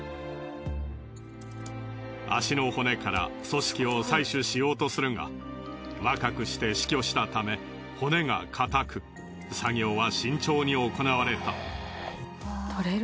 足の骨から組織を採取しようとするが若くして死去したため骨が硬く作業は慎重に行われた。